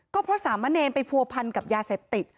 ก็เพราะสามะเนรไปผัวพันกับยาเสพติด